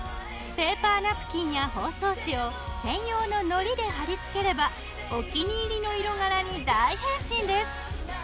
ペーパーナプキンや包装紙を専用ののりで貼り付ければお気に入りの色柄に大変身です。